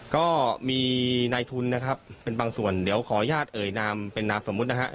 ก็มีนายทุนนะครับเป็นบางส่วนเดี๋ยวขออนุญาตเอ่ยนามเป็นนามสมมุตินะฮะ